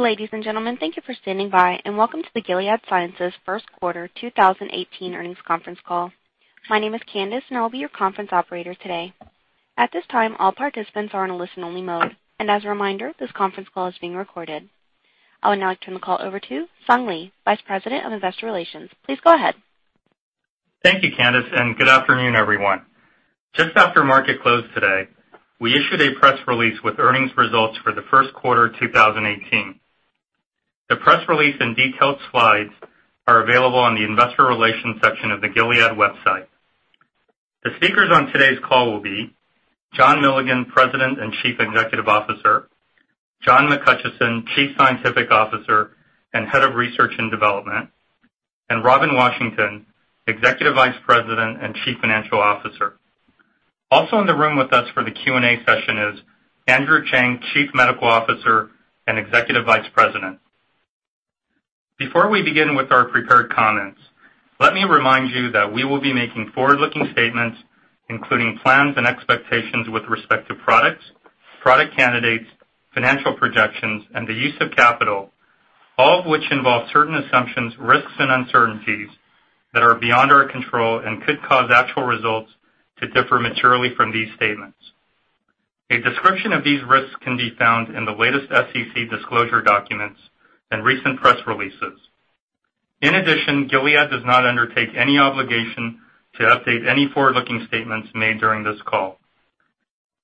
Ladies and gentlemen, thank you for standing by, and welcome to the Gilead Sciences first quarter 2018 earnings conference call. My name is Candace, and I'll be your conference operator today. At this time, all participants are in a listen-only mode, and as a reminder, this conference call is being recorded. I would now like to turn the call over to Sung Lee, Vice President of Investor Relations. Please go ahead. Thank you, Candace, and good afternoon, everyone. Just after market close today, we issued a press release with earnings results for the first quarter 2018. The press release and detailed slides are available on the investor relations section of the Gilead website. The speakers on today's call will be John Milligan, President and Chief Executive Officer, John McHutchison, Chief Scientific Officer and Head of Research and Development, and Robin Washington, Executive Vice President and Chief Financial Officer. Also in the room with us for the Q&A session is Andrew Cheng, Chief Medical Officer and Executive Vice President. Before we begin with our prepared comments, let me remind you that we will be making forward-looking statements, including plans and expectations with respect to products, product candidates, financial projections, and the use of capital, all of which involve certain assumptions, risks, and uncertainties that are beyond our control and could cause actual results to differ materially from these statements. A description of these risks can be found in the latest SEC disclosure documents and recent press releases. In addition, Gilead does not undertake any obligation to update any forward-looking statements made during this call.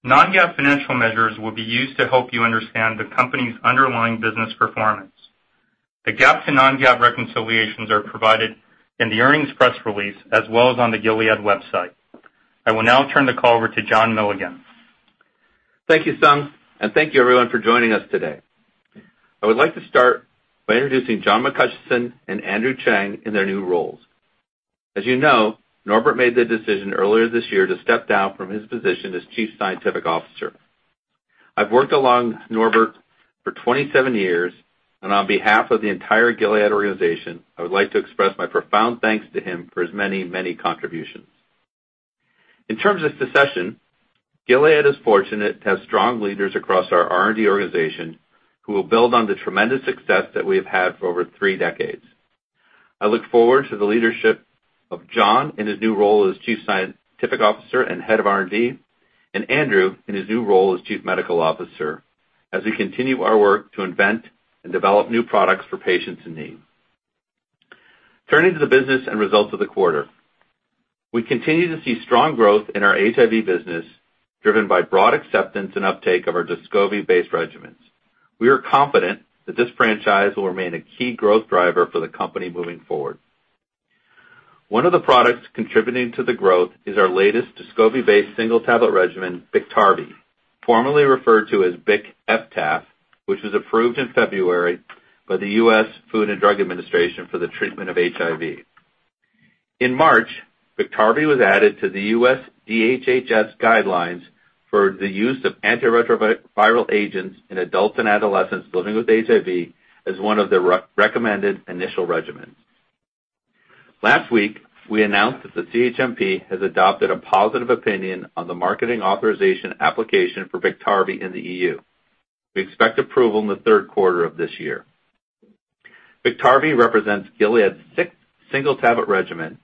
Non-GAAP financial measures will be used to help you understand the company's underlying business performance. The GAAP to non-GAAP reconciliations are provided in the earnings press release as well as on the Gilead website. I will now turn the call over to John Milligan. Thank you, Sung, and thank you, everyone, for joining us today. I would like to start by introducing John McHutchison and Andrew Cheng in their new roles. As you know, Norbert made the decision earlier this year to step down from his position as Chief Scientific Officer. I've worked along Norbert for 27 years, and on behalf of the entire Gilead organization, I would like to express my profound thanks to him for his many, many contributions. In terms of succession, Gilead is fortunate to have strong leaders across our R&D organization who will build on the tremendous success that we have had for over three decades. I look forward to the leadership of John in his new role as Chief Scientific Officer and Head of R&D, Andrew in his new role as Chief Medical Officer as we continue our work to invent and develop new products for patients in need. Turning to the business and results of the quarter. We continue to see strong growth in our HIV business, driven by broad acceptance and uptake of our Descovy-based regimens. We are confident that this franchise will remain a key growth driver for the company moving forward. One of the products contributing to the growth is our latest Descovy-based single-tablet regimen, Biktarvy, formerly referred to as BIC/FTAF, which was approved in February by the U.S. Food and Drug Administration for the treatment of HIV. In March, Biktarvy was added to the USDHHS guidelines for the use of antiretroviral agents in adults and adolescents living with HIV as one of the recommended initial regimens. Last week, we announced that the CHMP has adopted a positive opinion on the marketing authorization application for Biktarvy in the EU. We expect approval in the third quarter of this year. Biktarvy represents Gilead's sixth single-tablet regimen.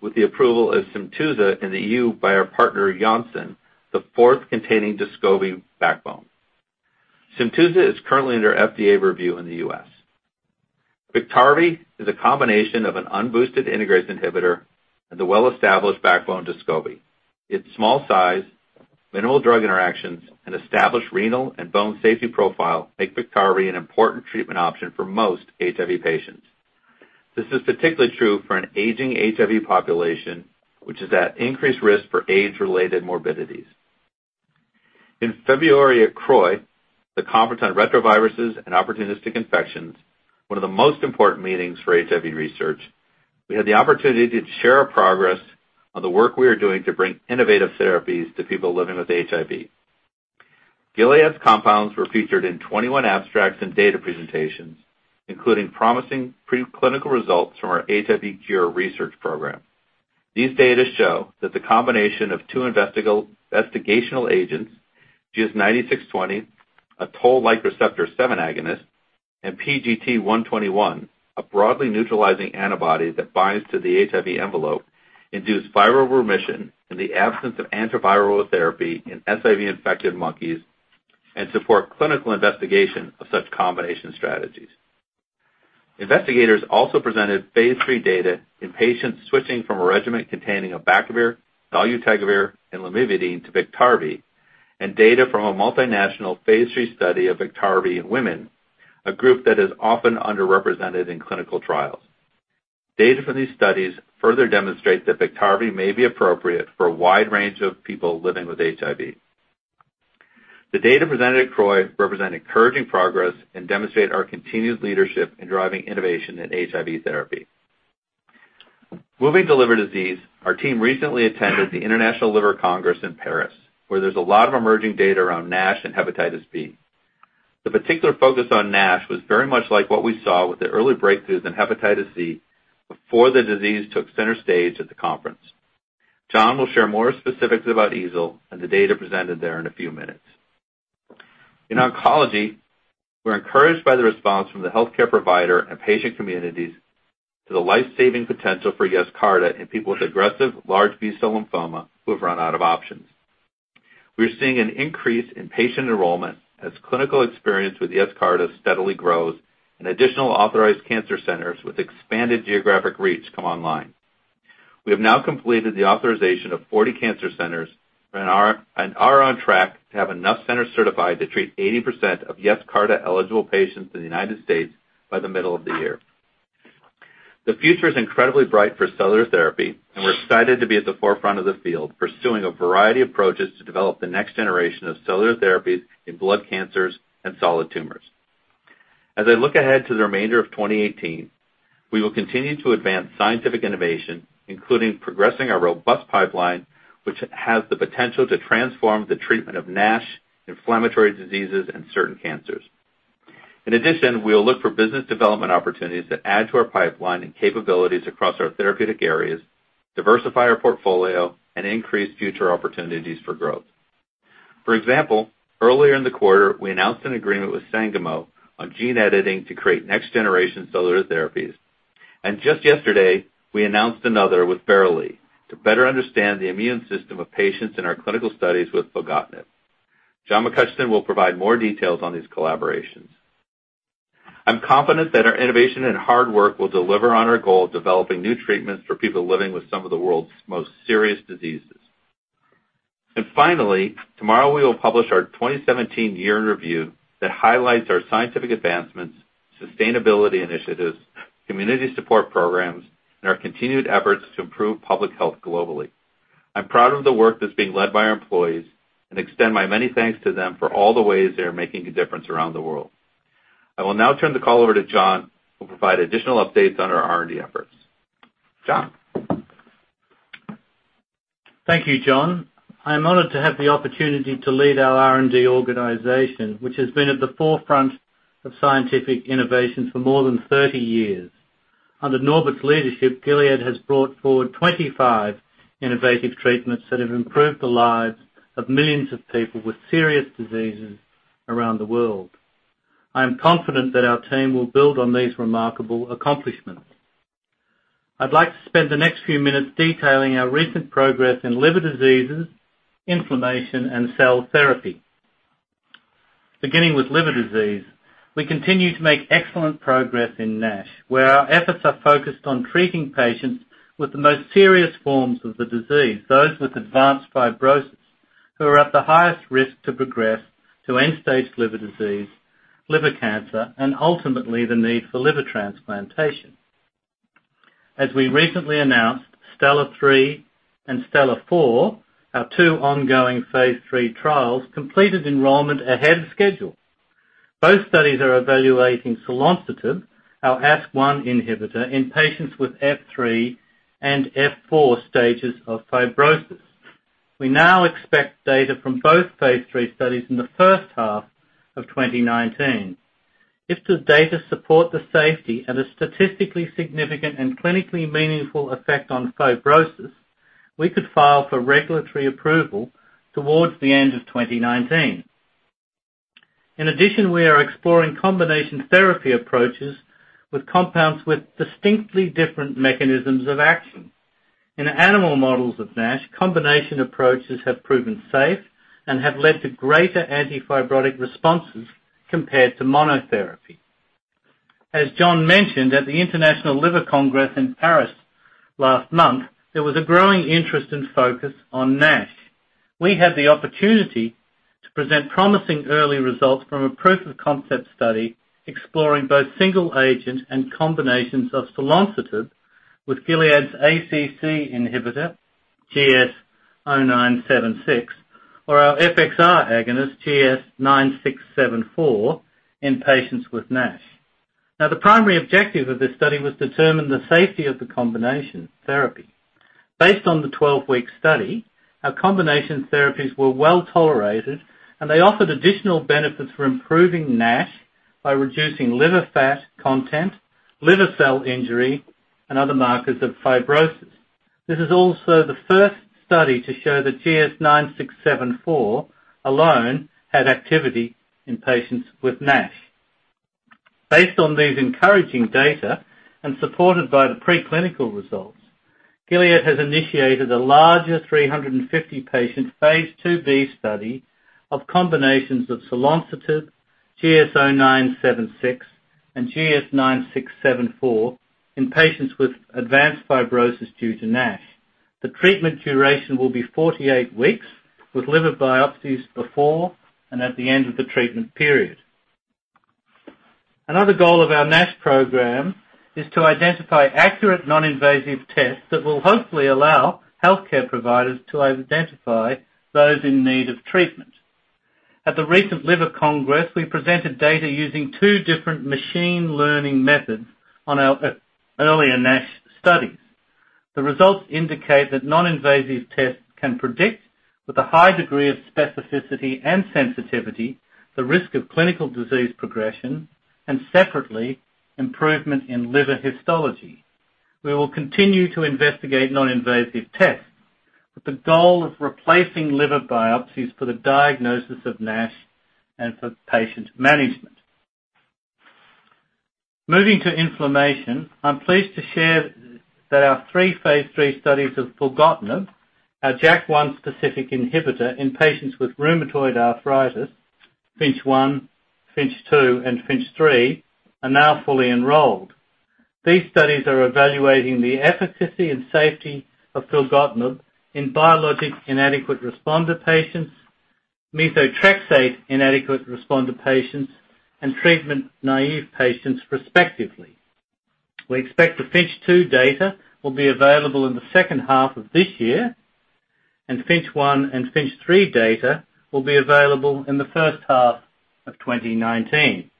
With the approval of SYMTUZA in the EU by our partner Janssen, the fourth containing Descovy backbone. SYMTUZA is currently under FDA review in the U.S. Biktarvy is a combination of an unboosted integrase inhibitor and the well-established backbone Descovy. Its small size, minimal drug interactions, and established renal and bone safety profile make Biktarvy an important treatment option for most HIV patients. This is particularly true for an aging HIV population, which is at increased risk for AIDS-related morbidities. In February at CROI, the Conference on Retroviruses and Opportunistic Infections, one of the most important meetings for HIV research, we had the opportunity to share our progress on the work we are doing to bring innovative therapies to people living with HIV. Gilead's compounds were featured in 21 abstracts and data presentations, including promising pre-clinical results from our HIV cure research program. These data show that the combination of two investigational agents, GS-9620, a toll-like receptor 7 agonist, and PGT121, a broadly neutralizing antibody that binds to the HIV envelope, induce viral remission in the absence of antiviral therapy in SIV-infected monkeys and support clinical investigation of such combination strategies. Investigators also presented phase III data in patients switching from a regimen containing abacavir, dolutegravir, and lamivudine to Biktarvy. Data from a multinational phase III study of Biktarvy in women, a group that is often underrepresented in clinical trials. Data from these studies further demonstrate that Biktarvy may be appropriate for a wide range of people living with HIV. The data presented at CROI represent encouraging progress and demonstrate our continued leadership in driving innovation in HIV therapy. Moving to liver disease, our team recently attended The International Liver Congress in Paris, where there's a lot of emerging data around NASH and hepatitis B. The particular focus on NASH was very much like what we saw with the early breakthroughs in hepatitis C before the disease took center stage at the conference. John will share more specifics about EASL and the data presented there in a few minutes. In oncology, we're encouraged by the response from the healthcare provider and patient communities to the life-saving potential for Yescarta in people with aggressive large B-cell lymphoma who have run out of options. We are seeing an increase in patient enrollment as clinical experience with Yescarta steadily grows and additional authorized cancer centers with expanded geographic reach come online. We have now completed the authorization of 40 cancer centers and are on track to have enough centers certified to treat 80% of Yescarta-eligible patients in the United States by the middle of the year. The future is incredibly bright for cellular therapy, and we're excited to be at the forefront of the field, pursuing a variety of approaches to develop the next generation of cellular therapies in blood cancers and solid tumors. As I look ahead to the remainder of 2018, we will continue to advance scientific innovation, including progressing our robust pipeline, which has the potential to transform the treatment of NASH, inflammatory diseases, and certain cancers. In addition, we will look for business development opportunities that add to our pipeline and capabilities across our therapeutic areas, diversify our portfolio, and increase future opportunities for growth. For example, earlier in the quarter, we announced an agreement with Sangamo on gene editing to create next-generation cellular therapies. Just yesterday, we announced another with Verily to better understand the immune system of patients in our clinical studies with filgotinib. John McHutchison will provide more details on these collaborations. I'm confident that our innovation and hard work will deliver on our goal of developing new treatments for people living with some of the world's most serious diseases. Finally, tomorrow we will publish our 2017 year in review that highlights our scientific advancements, sustainability initiatives, community support programs, and our continued efforts to improve public health globally. I'm proud of the work that's being led by our employees and extend my many thanks to them for all the ways they are making a difference around the world. I will now turn the call over to John, who will provide additional updates on our R&D efforts. John? Thank you, John. I am honored to have the opportunity to lead our R&D organization, which has been at the forefront of scientific innovations for more than 30 years. Under Norbert's leadership, Gilead has brought forward 25 innovative treatments that have improved the lives of millions of people with serious diseases around the world. I am confident that our team will build on these remarkable accomplishments. I'd like to spend the next few minutes detailing our recent progress in liver diseases, inflammation, and cell therapy. Beginning with liver disease, we continue to make excellent progress in NASH, where our efforts are focused on treating patients with the most serious forms of the disease, those with advanced fibrosis, who are at the highest risk to progress to end-stage liver disease, liver cancer, and ultimately, the need for liver transplantation. As we recently announced, STELLAR-3 and STELLAR-4, our two ongoing phase III trials, completed enrollment ahead of schedule. Both studies are evaluating selonsertib, our ASK1 inhibitor, in patients with F3 and F4 stages of fibrosis. We now expect data from both phase III studies in the first half of 2019. If the data support the safety and a statistically significant and clinically meaningful effect on fibrosis, we could file for regulatory approval towards the end of 2019. In addition, we are exploring combination therapy approaches with compounds with distinctly different mechanisms of action. In animal models of NASH, combination approaches have proven safe and have led to greater anti-fibrotic responses compared to monotherapy. As John mentioned at The International Liver Congress in Paris last month, there was a growing interest and focus on NASH. We had the opportunity to present promising early results from a proof-of-concept study exploring both single agent and combinations of selonsertib with Gilead's ACC inhibitor, GS-0976, or our FXR agonist, GS-9674, in patients with NASH. The primary objective of this study was to determine the safety of the combination therapy. Based on the 12-week study, our combination therapies were well-tolerated, and they offered additional benefits for improving NASH by reducing liver fat content, liver cell injury, and other markers of fibrosis. This is also the first study to show that GS-9674 alone had activity in patients with NASH. Based on these encouraging data and supported by the preclinical results, Gilead has initiated a larger 350-patient phase IIb study of combinations of selonsertib, GS-0976, and GS-9674 in patients with advanced fibrosis due to NASH. The treatment duration will be 48 weeks with liver biopsies before and at the end of the treatment period. Another goal of our NASH program is to identify accurate non-invasive tests that will hopefully allow healthcare providers to identify those in need of treatment. At the recent Liver Congress, we presented data using two different machine learning methods on our earlier NASH studies. The results indicate that non-invasive tests can predict with a high degree of specificity and sensitivity, the risk of clinical disease progression, and separately, improvement in liver histology. We will continue to investigate non-invasive tests with the goal of replacing liver biopsies for the diagnosis of NASH and for patient management. Moving to inflammation, I'm pleased to share that our three phase III studies of filgotinib, our JAK1-specific inhibitor in patients with rheumatoid arthritis, FINCH 1, FINCH 2, and FINCH 3, are now fully enrolled. These studies are evaluating the efficacy and safety of filgotinib in biologic-inadequate responder patients, methotrexate-inadequate responder patients, and treatment-naïve patients, respectively. We expect the FINCH 2 data will be available in the second half of this year, and FINCH 1 and FINCH 3 data will be available in the first half of 2019.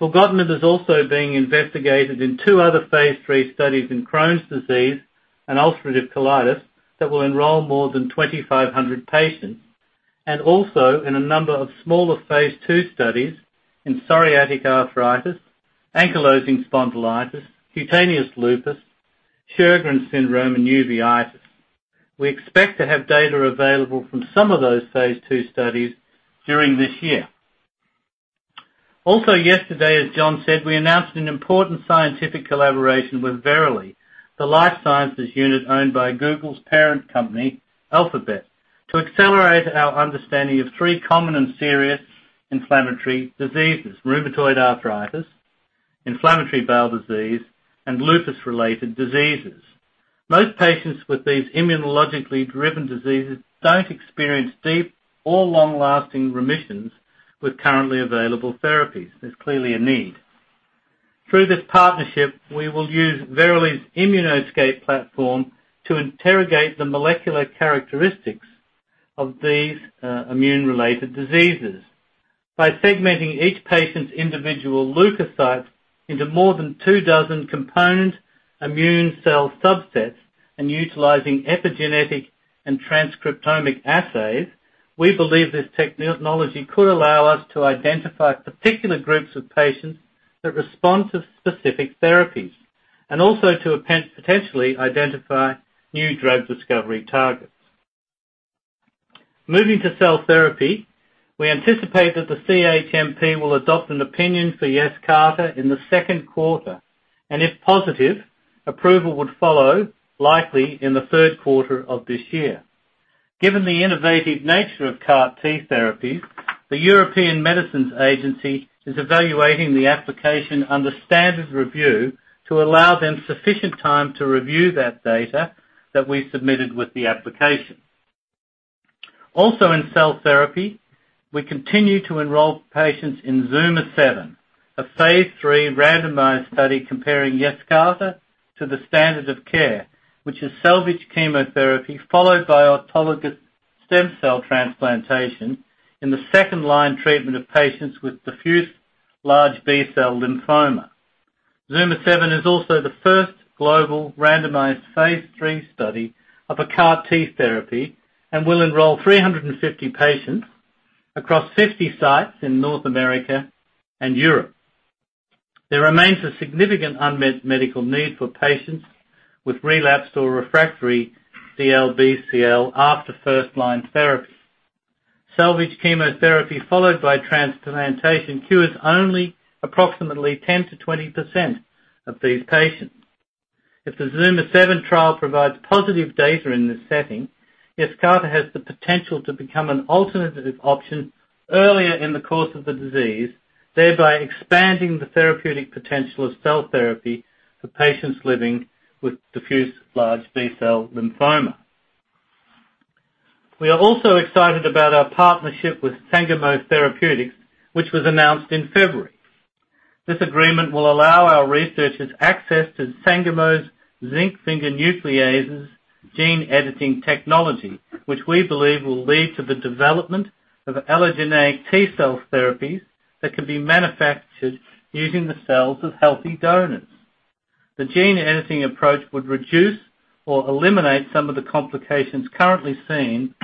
Filgotinib is also being investigated in two other phase III studies in Crohn's disease and ulcerative colitis that will enroll more than 2,500 patients, and also in a number of smaller phase II studies in psoriatic arthritis, ankylosing spondylitis, cutaneous lupus, Sjögren's syndrome, and uveitis. We expect to have data available from some of those phase II studies during this year. Also yesterday, as John said, we announced an important scientific collaboration with Verily, the life sciences unit owned by Google's parent company, Alphabet, to accelerate our understanding of three common and serious inflammatory diseases, rheumatoid arthritis, inflammatory bowel disease, and lupus-related diseases. Most patients with these immunologically-driven diseases don't experience deep or long-lasting remissions with currently available therapies. There's clearly a need. Through this partnership, we will use Verily's Immunoscape platform to interrogate the molecular characteristics of these immune-related diseases. By segmenting each patient's individual leukocytes into more than two dozen component immune cell subsets and utilizing epigenetic and transcriptomic assays, we believe this technology could allow us to identify particular groups of patients that respond to specific therapies, and also to potentially identify new drug discovery targets. Moving to cell therapy, we anticipate that the CHMP will adopt an opinion for Yescarta in the second quarter, and if positive, approval would follow, likely in the third quarter of this year. Given the innovative nature of CAR T therapies, the European Medicines Agency is evaluating the application under standard review to allow them sufficient time to review that data that we submitted with the application. In cell therapy, we continue to enroll patients in ZUMA-7, a phase III randomized study comparing Yescarta to the standard of care, which is salvage chemotherapy followed by autologous stem cell transplantation in the second-line treatment of patients with diffuse large B-cell lymphoma. ZUMA-7 is also the first global randomized phase III study of a CAR T therapy and will enroll 350 patients across 60 sites in North America and Europe. There remains a significant unmet medical need for patients with relapsed or refractory DLBCL after first-line therapy. Salvage chemotherapy followed by transplantation cures only approximately 10%-20% of these patients. If the ZUMA-7 trial provides positive data in this setting, Yescarta has the potential to become an alternative option earlier in the course of the disease, thereby expanding the therapeutic potential of cell therapy for patients living with diffuse large B-cell lymphoma. We are also excited about our partnership with Sangamo Therapeutics, which was announced in February. This agreement will allow our researchers access to Sangamo's zinc finger nuclease gene-editing technology, which we believe will lead to the development of allogeneic T-cell therapies that can be manufactured using the cells of healthy donors. The gene-editing approach would reduce or eliminate some of the complications currently seen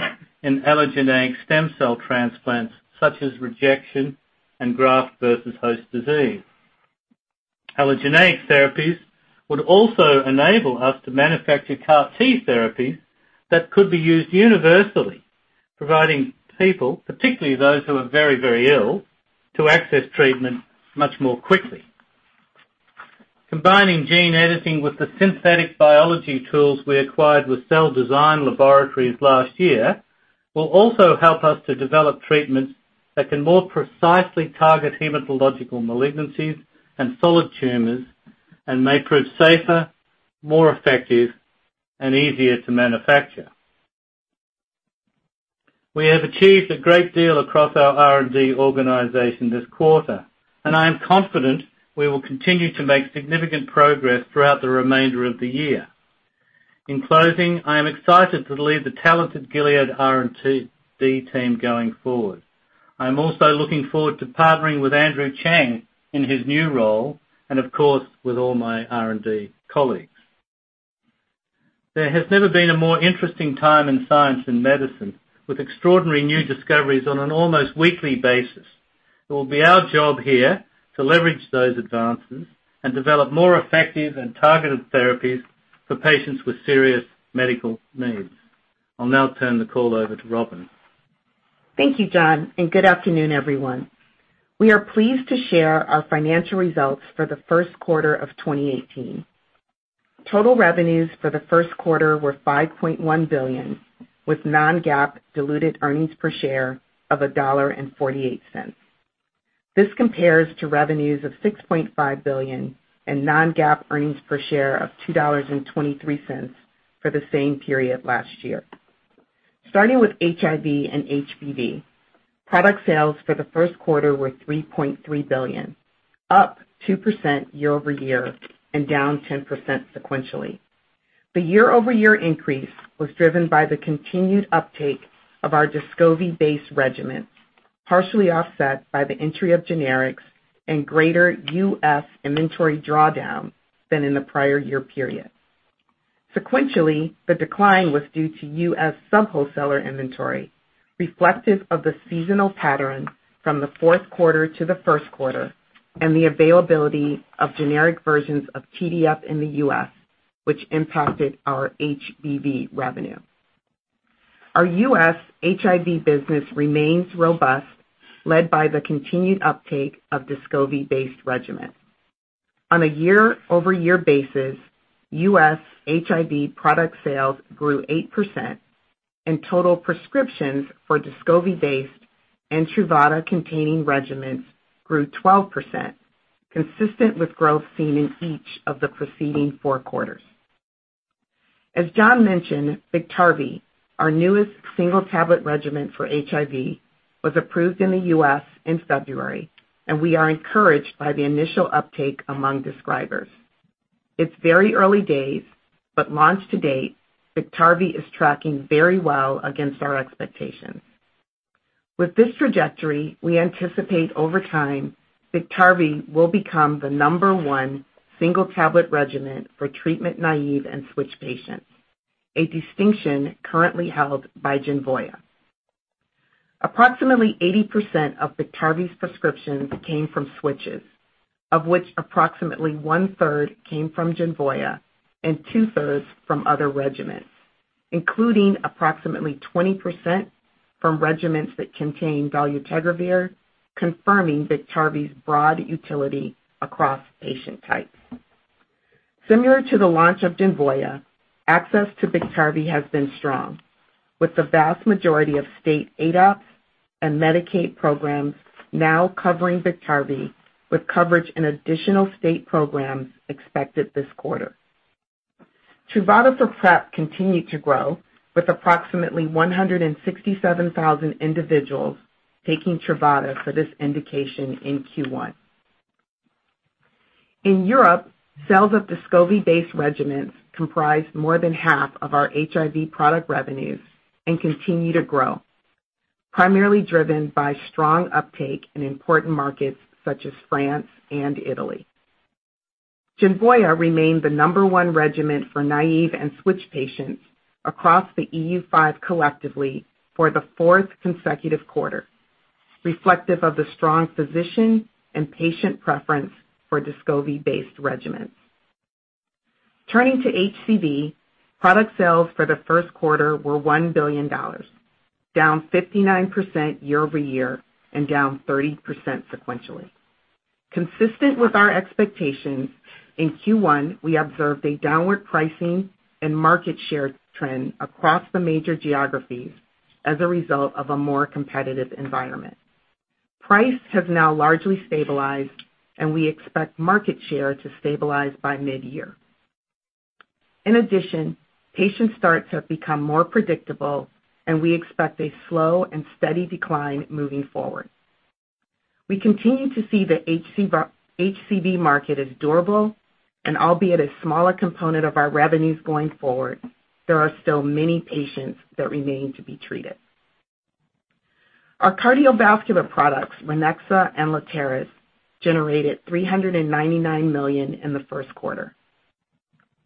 in allogeneic stem cell transplants, such as rejection and graft versus host disease. Allogeneic therapies would also enable us to manufacture CAR T therapies that could be used universally, providing people, particularly those who are very, very ill, to access treatment much more quickly. Combining gene editing with the synthetic biology tools we acquired with Cell Design Labs last year will also help us to develop treatments that can more precisely target hematological malignancies and solid tumors and may prove safer, more effective, and easier to manufacture. We have achieved a great deal across our R&D organization this quarter. I am confident we will continue to make significant progress throughout the remainder of the year. In closing, I am excited to lead the talented Gilead R&D team going forward. I'm also looking forward to partnering with Andrew Cheng in his new role, and of course, with all my R&D colleagues. There has never been a more interesting time in science and medicine, with extraordinary new discoveries on an almost weekly basis. It will be our job here to leverage those advances and develop more effective and targeted therapies for patients with serious medical needs. I will now turn the call over to Robin. Thank you, John, and good afternoon, everyone. We are pleased to share our financial results for the first quarter of 2018. Total revenues for the first quarter were $5.1 billion, with non-GAAP diluted earnings per share of $1.48. This compares to revenues of $6.5 billion and non-GAAP earnings per share of $2.23 for the same period last year. Starting with HIV and HBV, product sales for the first quarter were $3.3 billion, up 2% year-over-year and down 10% sequentially. The year-over-year increase was driven by the continued uptake of our Descovy-based regimen, partially offset by the entry of generics and greater U.S. inventory drawdown than in the prior year-over-year period. Sequentially, the decline was due to U.S. sub-wholesaler inventory, reflective of the seasonal pattern from the fourth quarter to the first quarter, and the availability of generic versions of TDF in the U.S., which impacted our HBV revenue. Our U.S. HIV business remains robust, led by the continued uptake of Descovy-based regimen. On a year-over-year basis, U.S. HIV product sales grew 8%, and total prescriptions for Descovy-based and Truvada-containing regimens grew 12%, consistent with growth seen in each of the preceding four quarters. As John mentioned, Biktarvy, our newest single-tablet regimen for HIV, was approved in the U.S. in February, and we are encouraged by the initial uptake among prescribers. It is very early days, but launch to date, Biktarvy is tracking very well against our expectations. With this trajectory, we anticipate over time Biktarvy will become the number one single-tablet regimen for treatment-naive and switch patients, a distinction currently held by Genvoya. Approximately 80% of Biktarvy's prescriptions came from switches, of which approximately one-third came from Genvoya and two-thirds from other regimens, including approximately 20% from regimens that contain dolutegravir, confirming Biktarvy's broad utility across patient types. Similar to the launch of Genvoya, access to Biktarvy has been strong, with the vast majority of state ADAP and Medicaid programs now covering Biktarvy, with coverage in additional state programs expected this quarter. Truvada for PrEP continued to grow, with approximately 167,000 individuals taking Truvada for this indication in Q1. In Europe, sales of Descovy-based regimens comprise more than half of our HIV product revenues and continue to grow, primarily driven by strong uptake in important markets such as France and Italy. Genvoya remained the number one regimen for naive and switch patients across the EU5 collectively for the fourth consecutive quarter, reflective of the strong physician and patient preference for DESCOVY-based regimens. Turning to HCV, product sales for the first quarter were $1 billion, down 59% year-over-year and down 30% sequentially. Consistent with our expectations, in Q1, we observed a downward pricing and market share trend across the major geographies as a result of a more competitive environment. Price has now largely stabilized, and we expect market share to stabilize by mid-year. In addition, patient starts have become more predictable, and we expect a slow and steady decline moving forward. We continue to see the HCV market as durable, albeit a smaller component of our revenues going forward, there are still many patients that remain to be treated. Our cardiovascular products, Ranexa and Letairis, generated $399 million in the first quarter.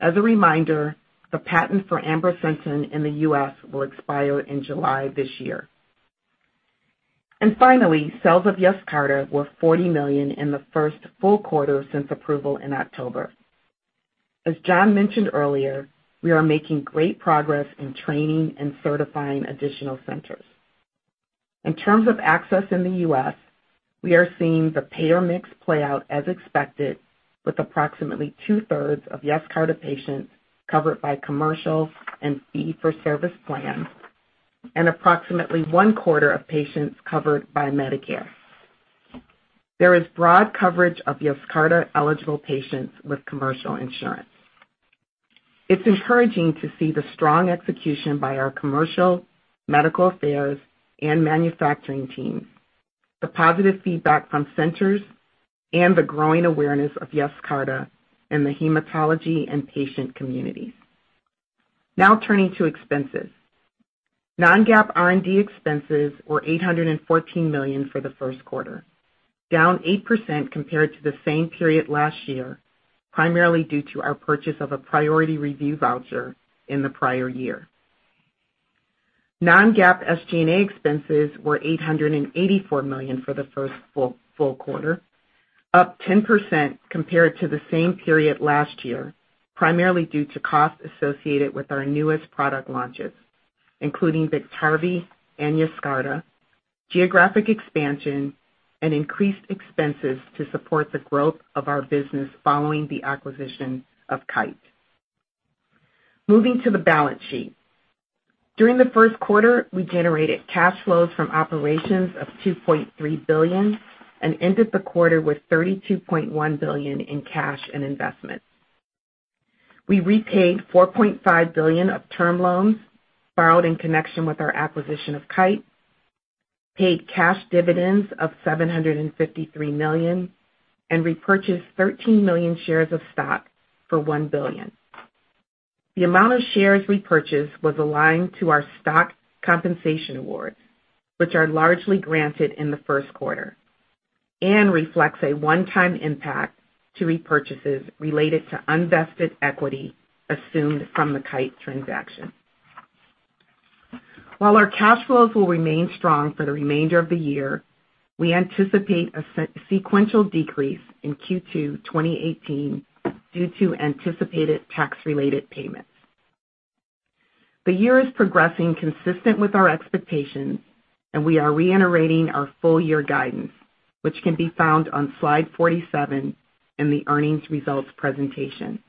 As a reminder, the patent for ambrisentan in the U.S. will expire in July this year. Finally, sales of Yescarta were $40 million in the first full quarter since approval in October. As John mentioned earlier, we are making great progress in training and certifying additional centers. In terms of access in the U.S., we are seeing the payer mix play out as expected, with approximately two-thirds of Yescarta patients covered by commercial and fee-for-service plans and approximately one-quarter of patients covered by Medicare. There is broad coverage of Yescarta-eligible patients with commercial insurance. It is encouraging to see the strong execution by our commercial, medical affairs, and manufacturing teams, the positive feedback from centers, and the growing awareness of Yescarta in the hematology and patient community. Now turning to expenses. Non-GAAP R&D expenses were $814 million for the first quarter, down 8% compared to the same period last year, primarily due to our purchase of a priority review voucher in the prior year. Non-GAAP SG&A expenses were $884 million for the first full quarter, up 10% compared to the same period last year, primarily due to costs associated with our newest product launches, including BIKTARVY and Yescarta, geographic expansion, and increased expenses to support the growth of our business following the acquisition of Kite. Moving to the balance sheet. During the first quarter, we generated cash flows from operations of $2.3 billion and ended the quarter with $32.1 billion in cash and investments. We repaid $4.5 billion of term loans borrowed in connection with our acquisition of Kite, paid cash dividends of $753 million, and repurchased 13 million shares of stock for $1 billion. The amount of shares repurchased was aligned to our stock compensation awards, which are largely granted in the first quarter, reflects a one-time impact to repurchases related to unvested equity assumed from the Kite transaction. While our cash flows will remain strong for the remainder of the year, we anticipate a sequential decrease in Q2 2018 due to anticipated tax-related payments. The year is progressing consistent with our expectations, we are reiterating our full year guidance, which can be found on slide 47 in the earnings results presentation.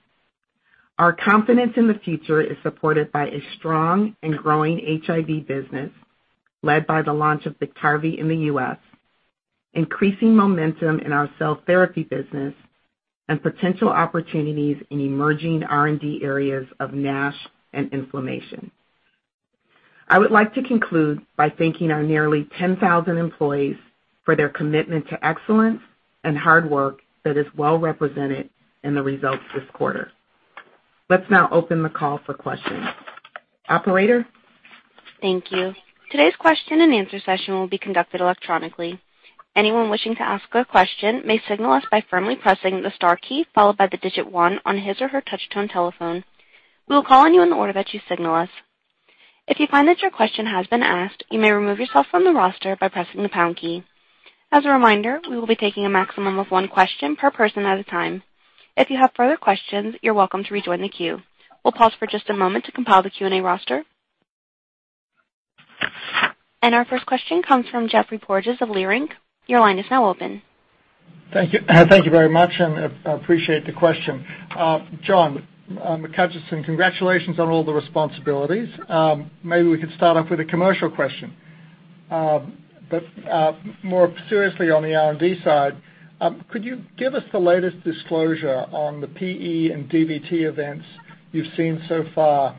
Our confidence in the future is supported by a strong and growing HIV business led by the launch of BIKTARVY in the U.S., increasing momentum in our cell therapy business, potential opportunities in emerging R&D areas of NASH and inflammation. I would like to conclude by thanking our nearly 10,000 employees for their commitment to excellence and hard work that is well represented in the results this quarter. Let's now open the call for questions. Operator? Thank you. Today's question-and-answer session will be conducted electronically. Anyone wishing to ask a question may signal us by firmly pressing the star key followed by the digit 1 on his or her touch-tone telephone. We will call on you in the order that you signal us. If you find that your question has been asked, you may remove yourself from the roster by pressing the pound key. As a reminder, we will be taking a maximum of 1 question per person at a time. If you have further questions, you're welcome to rejoin the queue. We'll pause for just a moment to compile the Q&A roster. Our first question comes from Geoffrey Porges of Leerink Partners. Your line is now open. Thank you. Thank you very much. Appreciate the question. John McHutchison, congratulations on all the responsibilities. Maybe we could start off with a commercial question. More seriously, on the R&D side, could you give us the latest disclosure on the PE and DVT events you've seen so far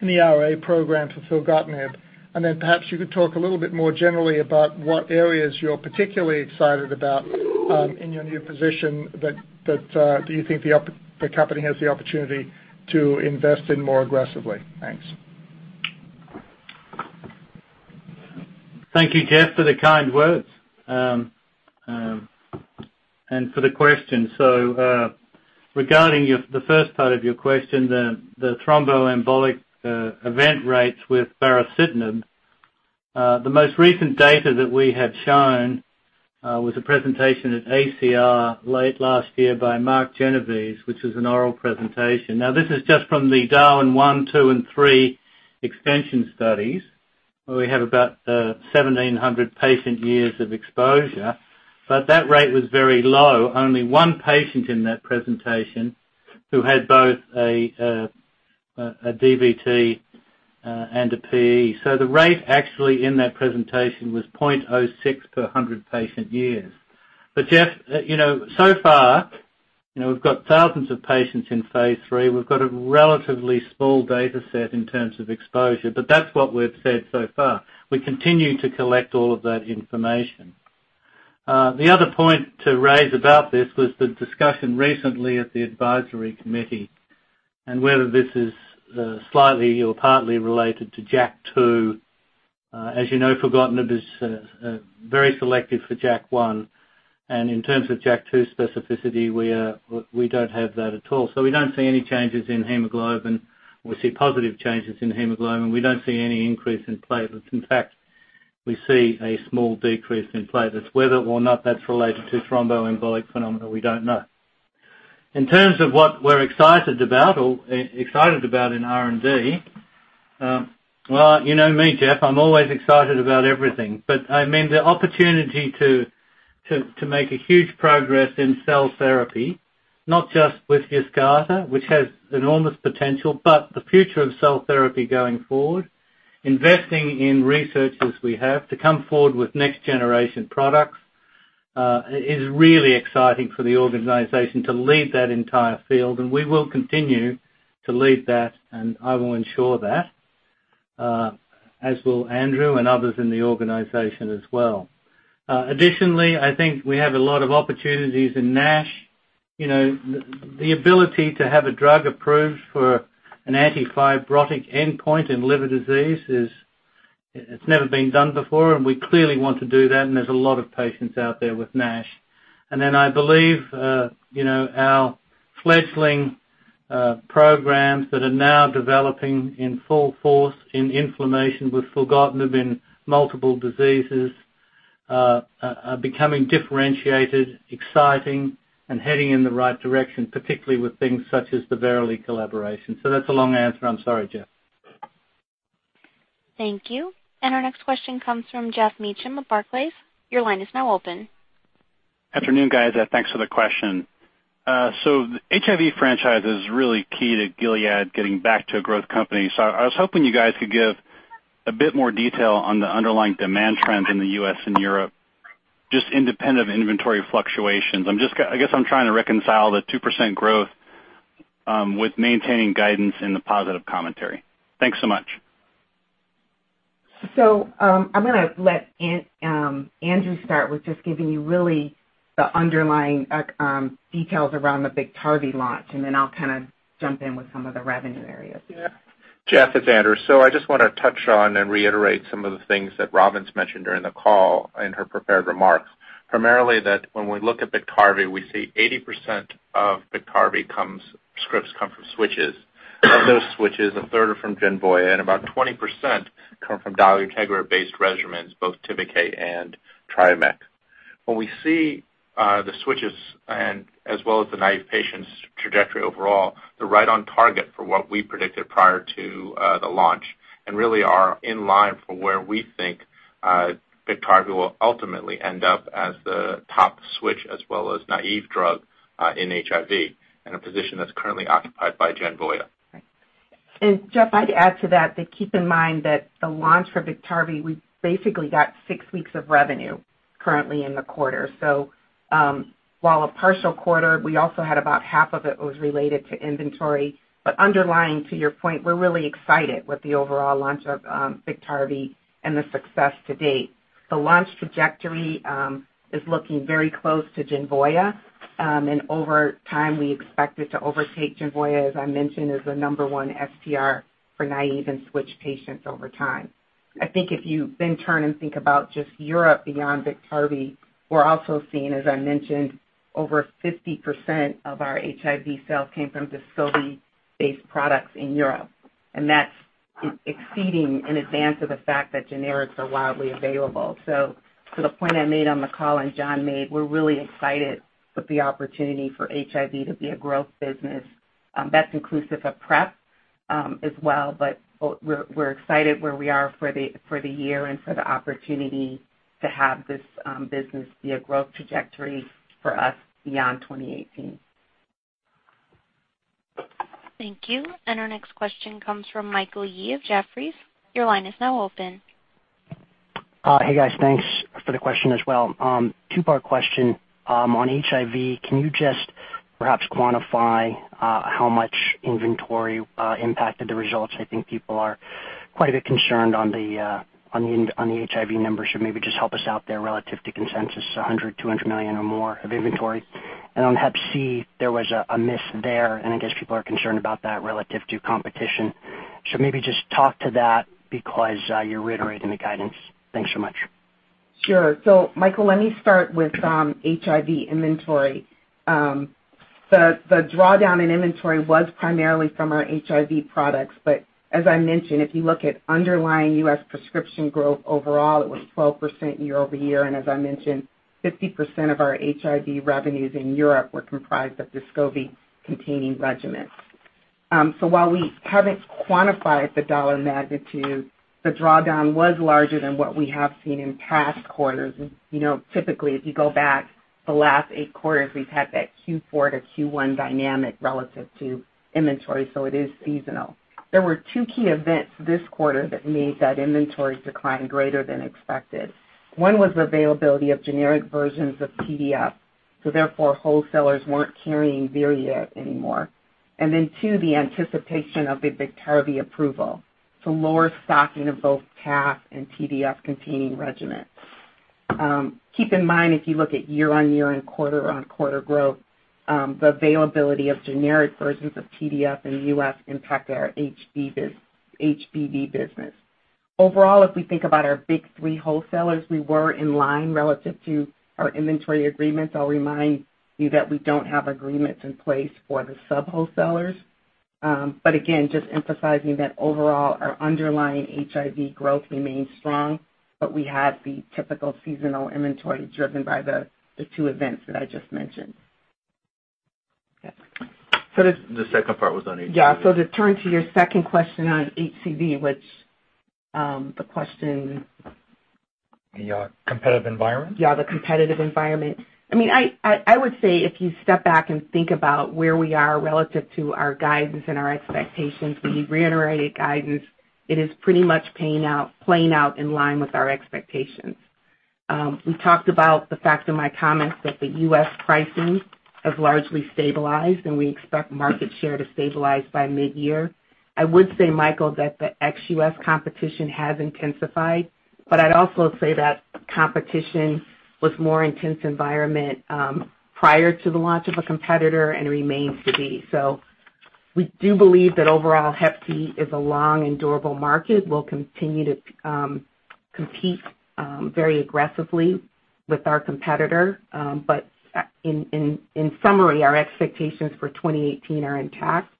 in the RA program for filgotinib? Then perhaps you could talk a little bit more generally about what areas you're particularly excited about in your new position that you think the company has the opportunity to invest in more aggressively. Thanks. Thank you, Jeff, for the kind words and for the question. Regarding the first part of your question, the thromboembolic event rates with baricitinib, the most recent data that we had shown was a presentation at ACR late last year by Mark Genovese, which was an oral presentation. Now, this is just from the DARWIN 1, 2, and 3 extension studies, where we have about 1,700 patient years of exposure. That rate was very low. Only 1 patient in that presentation who had both a DVT and a PE. So the rate actually in that presentation was .06 per 100 patient years. Jeff, so far, we've got thousands of patients in phase III. We've got a relatively small data set in terms of exposure, but that's what we've said so far. We continue to collect all of that information. The other point to raise about this was the discussion recently at the advisory committee, and whether this is slightly or partly related to JAK2. As you know, filgotinib is very selective for JAK1, and in terms of JAK2 specificity, we don't have that at all. We don't see any changes in hemoglobin. We see positive changes in hemoglobin. We don't see any increase in platelets. In fact, we see a small decrease in platelets. Whether or not that's related to thromboembolic phenomena, we don't know. In terms of what we're excited about or excited about in R&D, well, you know me, Geoff, I mean the opportunity to make a huge progress in cell therapy, not just with Yescarta, which has enormous potential, but the future of cell therapy going forward. Investing in researchers we have to come forward with next generation products, is really exciting for the organization to lead that entire field, and we will continue to lead that, and I will ensure that. As will Andrew and others in the organization as well. Additionally, I think we have a lot of opportunities in NASH. The ability to have a drug approved for an anti-fibrotic endpoint in liver disease has never been done before, and we clearly want to do that, and there's a lot of patients out there with NASH. I believe our fledgling programs that are now developing in full force in inflammation with filgotinib in multiple diseases are becoming differentiated, exciting, and heading in the right direction, particularly with things such as the Verily collaboration. That's a long answer. I'm sorry, Geoff. Thank you. Our next question comes from Geoff Meacham with Barclays. Your line is now open. Afternoon, guys. Thanks for the question. The HIV franchise is really key to Gilead getting back to a growth company. I was hoping you guys could give a bit more detail on the underlying demand trends in the U.S. and Europe, just independent of inventory fluctuations. I guess I'm trying to reconcile the 2% growth with maintaining guidance in the positive commentary. Thanks so much. I'm going to let Andrew start with just giving you really the underlying details around the BIKTARVY launch, and then I'll kind of jump in with some of the revenue areas. Geoff, it's Andrew. I just want to touch on and reiterate some of the things that Robin's mentioned during the call in her prepared remarks. Primarily that when we look at BIKTARVY, we see 80% of BIKTARVY scripts come from switches. Of those switches, a third are from Genvoya, and about 20% come from dolutegravir-based regimens, both Tivicay and Triumeq. When we see the switches as well as the naive patients trajectory overall, they're right on target for what we predicted prior to the launch, and really are in line for where we think BIKTARVY will ultimately end up as the top switch, as well as naive drug in HIV, in a position that's currently occupied by Genvoya. Geoff, I'd add to that to keep in mind that the launch for BIKTARVY, we basically got six weeks of revenue currently in the quarter. While a partial quarter, we also had about half of it was related to inventory. Underlying to your point, we're really excited with the overall launch of BIKTARVY and the success to date. The launch trajectory is looking very close to Genvoya, and over time, we expect it to overtake Genvoya, as I mentioned, as the number one STR for naive and switched patients over time. I think if you then turn and think about just Europe beyond BIKTARVY, we're also seeing, as I mentioned, over 50% of our HIV sales came from DESCOVY-based products in Europe, and that's exceeding in advance of the fact that generics are widely available. To the point I made on the call and John made, we're really excited with the opportunity for HIV to be a growth business. That's inclusive of PrEP as well, but we're excited where we are for the year and for the opportunity to have this business be a growth trajectory for us beyond 2018. Thank you. Our next question comes from Michael Yee of Jefferies. Your line is now open. Hey, guys. Thanks for the question as well. Two-part question. On HIV, can you just perhaps quantify how much inventory impacted the results? I think people are quite a bit concerned on the HIV numbers, maybe just help us out there relative to consensus, $100 million, $200 million or more of inventory. On HCV, there was a miss there, and I guess people are concerned about that relative to competition. Maybe just talk to that because you're reiterating the guidance. Thanks so much. Sure. Michael, let me start with HIV inventory. The drawdown in inventory was primarily from our HIV products. But as I mentioned, if you look at underlying U.S. prescription growth overall, it was 12% year-over-year. As I mentioned, 50% of our HIV revenues in Europe were comprised of Descovy-containing regimens. While we haven't quantified the dollar magnitude, the drawdown was larger than what we have seen in past quarters. Typically, if you go back the last eight quarters, we've had that Q4 to Q1 dynamic relative to inventory, so it is seasonal. There were two key events this quarter that made that inventory decline greater than expected. One was the availability of generic versions of TDF, therefore, wholesalers weren't carrying Viread anymore. Then two, the anticipation of the Biktarvy approval. Lower stocking of both TAF and TDF-containing regimens. Keep in mind, if you look at year-over-year and quarter-over-quarter growth, the availability of generic versions of TDF in the U.S. impact our HBV business. Overall, if we think about our big three wholesalers, we were in line relative to our inventory agreements. I'll remind you that we don't have agreements in place for the sub-wholesalers. Again, just emphasizing that overall our underlying HIV growth remains strong, but we had the typical seasonal inventory driven by the two events that I just mentioned. The second part was on HCV. Yeah. To turn to your second question on HCV, which the question The competitive environment? The competitive environment. I would say if you step back and think about where we are relative to our guidance and our expectations, we reiterated guidance. It is pretty much playing out in line with our expectations. We talked about the fact in my comments that the U.S. pricing has largely stabilized, and we expect market share to stabilize by mid-year. I would say, Michael Yee, that the ex-U.S. competition has intensified, I'd also say that competition was more intense environment prior to the launch of a competitor and remains to be. We do believe that overall Hep C is a long and durable market. We'll continue to compete very aggressively with our competitor. In summary, our expectations for 2018 are intact,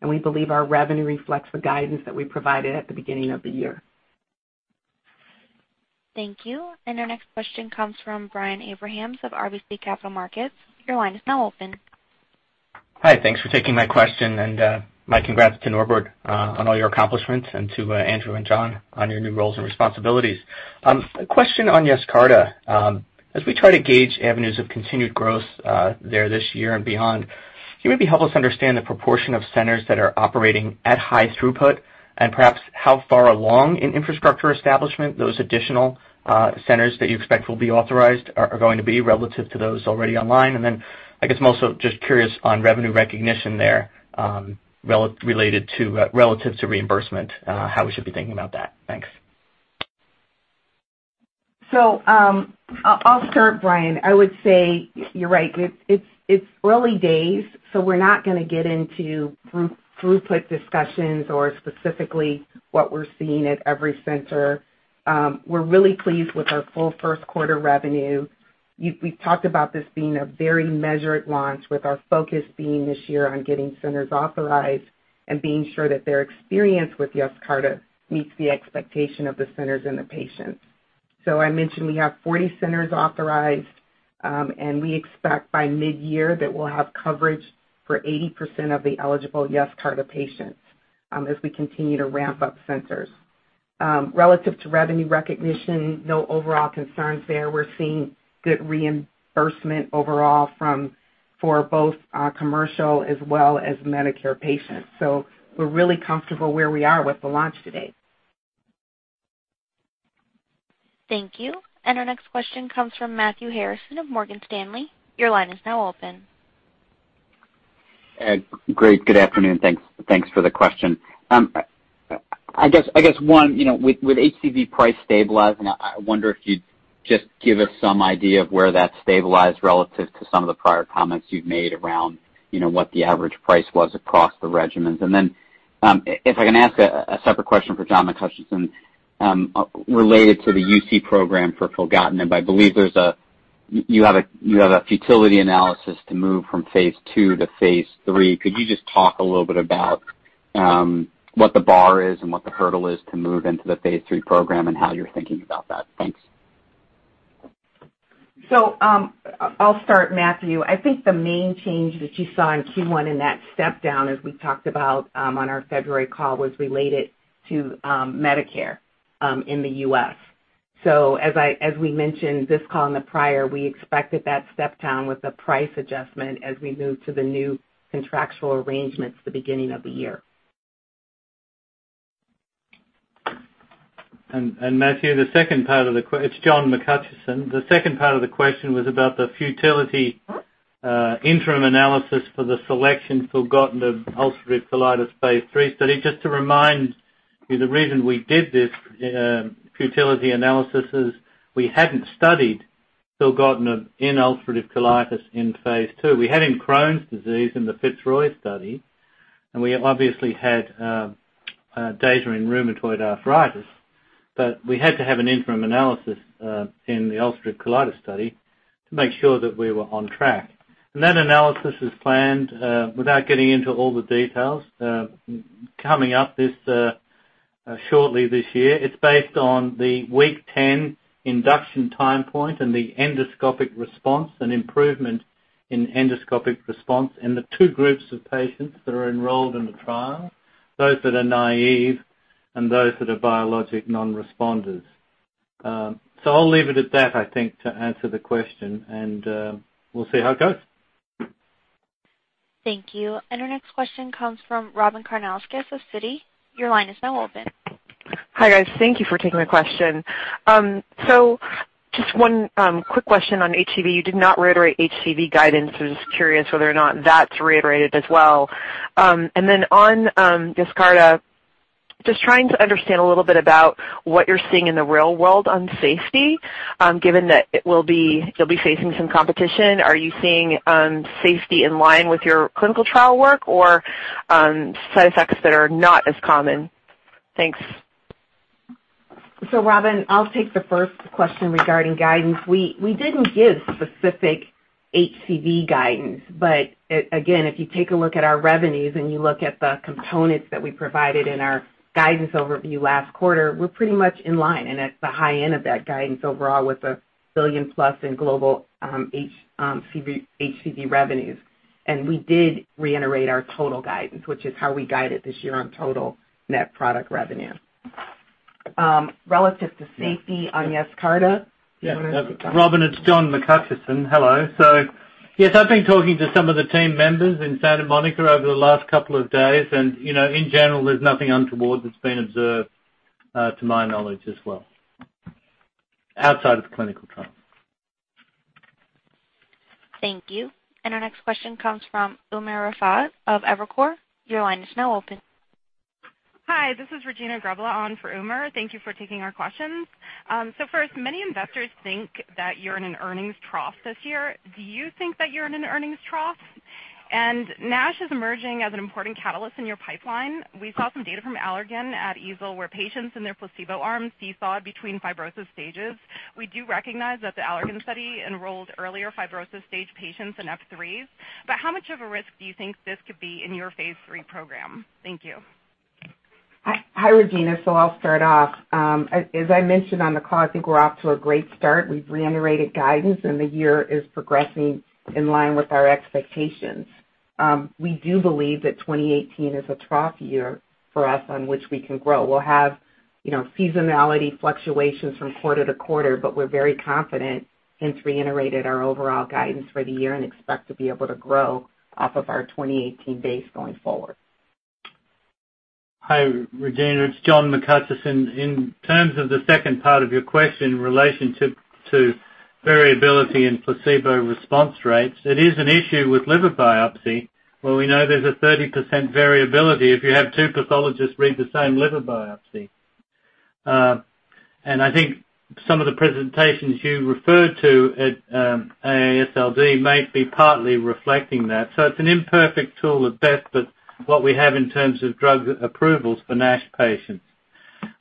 and we believe our revenue reflects the guidance that we provided at the beginning of the year. Thank you. Our next question comes from Brian Abrahams of RBC Capital Markets. Your line is now open. Hi, thanks for taking my question, and my congrats to Norbert on all your accomplishments and to Andrew and John on your new roles and responsibilities. A question on Yescarta. As we try to gauge avenues of continued growth there this year and beyond, can you maybe help us understand the proportion of centers that are operating at high throughput, and perhaps how far along in infrastructure establishment those additional centers that you expect will be authorized are going to be relative to those already online? I guess I'm also just curious on revenue recognition there relative to reimbursement, how we should be thinking about that. Thanks. I'll start, Brian. I would say you're right. It's early days, we're not going to get into throughput discussions or specifically what we're seeing at every center. We're really pleased with our full first quarter revenue. We've talked about this being a very measured launch with our focus being this year on getting centers authorized and being sure that their experience with Yescarta meets the expectation of the centers and the patients. I mentioned we have 40 centers authorized, and we expect by mid-year that we'll have coverage for 80% of the eligible Yescarta patients as we continue to ramp up centers. Relative to revenue recognition, no overall concerns there. We're seeing good reimbursement overall for both our commercial as well as Medicare patients. We're really comfortable where we are with the launch to date. Thank you. Our next question comes from Matthew Harrison of Morgan Stanley. Your line is now open. Great. Good afternoon. Thanks for the question. I guess, one, with HCV price stabilizing, I wonder if you'd just give us some idea of where that's stabilized relative to some of the prior comments you've made around what the average price was across the regimens. Then, if I can ask a separate question for John McHutchison related to the UC program for filgotinib. I believe you have a futility analysis to move from phase II to phase III. Could you just talk a little bit about what the bar is and what the hurdle is to move into the phase III program and how you're thinking about that? Thanks. I'll start, Matthew. I think the main change that you saw in Q1 in that step-down, as we talked about on our February call, was related to Medicare in the U.S. As we mentioned this call and the prior, we expected that step-down with the price adjustment as we moved to the new contractual arrangements at the beginning of the year. Matthew, it's John McHutchison. The second part of the question was about the futility interim analysis for the selection filgotinib ulcerative colitis phase III study. Just to remind you, the reason we did this futility analysis is we hadn't studied filgotinib in ulcerative colitis in phase II. We had in Crohn's disease in the FITZROY study, and we obviously had data in rheumatoid arthritis. We had to have an interim analysis in the ulcerative colitis study to make sure that we were on track. That analysis is planned, without getting into all the details, coming up shortly this year. It's based on the week 10 induction time point and the endoscopic response and improvement in endoscopic response in the two groups of patients that are enrolled in the trial, those that are naive and those that are biologic non-responders. I'll leave it at that, I think, to answer the question, and we'll see how it goes. Thank you. Our next question comes from Robyn Karnauskas of Citi. Your line is now open. Hi, guys. Thank you for taking my question. Just one quick question on HCV. You did not reiterate HCV guidance. I was just curious whether or not that's reiterated as well. On Yescarta, just trying to understand a little bit about what you're seeing in the real world on safety, given that you'll be facing some competition. Are you seeing safety in line with your clinical trial work or side effects that are not as common? Thanks. Robyn, I'll take the first question regarding guidance. We didn't give specific HCV guidance, but again, if you take a look at our revenues and you look at the components that we provided in our guidance overview last quarter, we're pretty much in line and at the high end of that guidance overall with a $1 billion-plus in global HCV revenues. We did reiterate our total guidance, which is how we guided this year on total net product revenue. Relative to safety on Yescarta, do you want to take that? Robin, it's John McHutchison. Hello. Yes, I've been talking to some of the team members in Santa Monica over the last couple of days, and in general, there's nothing untoward that's been observed, to my knowledge as well, outside of the clinical trial. Thank you. Our next question comes from Umer Raffat of Evercore. Your line is now open. Hi, this is Regina Grebla on for Umer. Thank you for taking our questions. First, many investors think that you're in an earnings trough this year. Do you think that you're in an earnings trough? NASH is emerging as an important catalyst in your pipeline. We saw some data from Allergan at EASL where patients in their placebo arm seesawed between fibrosis stages. We do recognize that the Allergan study enrolled earlier fibrosis stage patients in F3s. How much of a risk do you think this could be in your phase III program? Thank you. Hi, Regina. I'll start off. As I mentioned on the call, I think we're off to a great start. We've reiterated guidance, and the year is progressing in line with our expectations. We do believe that 2018 is a trough year for us on which we can grow. We'll have seasonality fluctuations from quarter to quarter, but we're very confident since reiterated our overall guidance for the year and expect to be able to grow off of our 2018 base going forward. Hi, Regina. It's John McHutchison. In terms of the second part of your question, in relation to variability in placebo response rates, it is an issue with liver biopsy, where we know there's a 30% variability if you have two pathologists read the same liver biopsy. I think some of the presentations you referred to at AASLD may be partly reflecting that. It's an imperfect tool at best, but what we have in terms of drug approvals for NASH patients.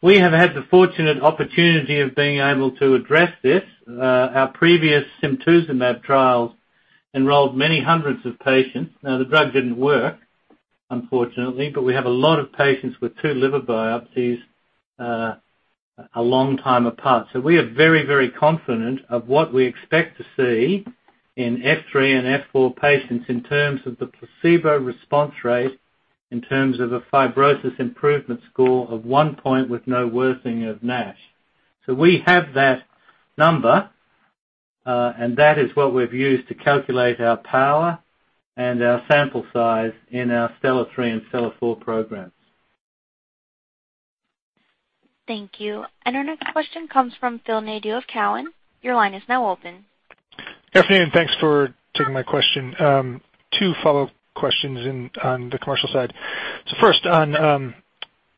We have had the fortunate opportunity of being able to address this. Our previous simtuzumab trials enrolled many hundreds of patients. The drug didn't work, unfortunately, but we have a lot of patients with two liver biopsies a long time apart. We are very, very confident of what we expect to see in F3 and F4 patients in terms of the placebo response rate, in terms of a fibrosis improvement score of one point with no worsening of NASH. We have that number, and that is what we've used to calculate our power and our sample size in our STELLAR-3 and STELLAR-4 programs. Thank you. Our next question comes from Phil Nadeau of Cowen. Your line is now open. Good afternoon. Thanks for taking my question. Two follow-up questions in on the commercial side. First on,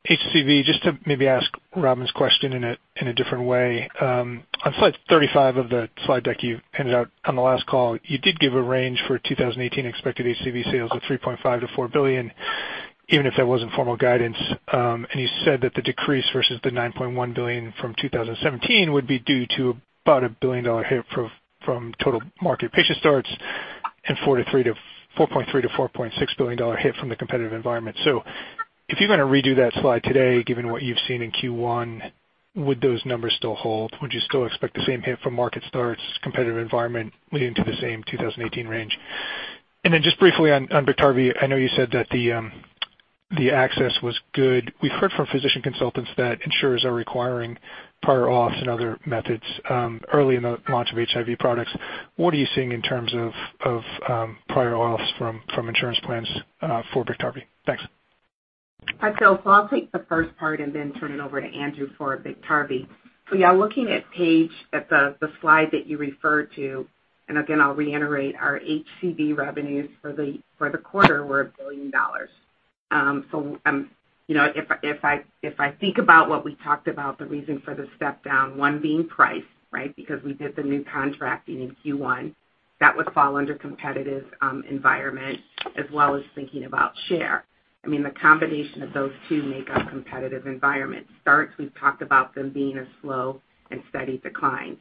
HCV, just to maybe ask Robin's question in a different way. On slide 35 of the slide deck you handed out on the last call, you did give a range for 2018 expected HCV sales of $3.5 billion-$4 billion, even if that wasn't formal guidance. You said that the decrease versus the $9.1 billion from 2017 would be due to about a billion-dollar hit from total market patient starts and $4.3 billion-$4.6 billion hit from the competitive environment. If you're going to redo that slide today, given what you've seen in Q1, would those numbers still hold? Would you still expect the same hit from market starts, competitive environment leading to the same 2018 range? Just briefly on Biktarvy, I know you said that the access was good. We've heard from physician consultants that insurers are requiring prior auths and other methods early in the launch of HIV products. What are you seeing in terms of prior auths from insurance plans for Biktarvy? Thanks. Hi, Phil. I'll take the first part and then turn it over to Andrew for Biktarvy. Yeah, looking at the slide that you referred to, again, I'll reiterate our HCV revenues for the quarter were $1 billion. If I think about what we talked about, the reason for the step down, one being price, right? Because we did the new contracting in Q1. That would fall under competitive environment as well as thinking about share. I mean, the combination of those two make up competitive environment. Starts, we've talked about them being a slow and steady decline.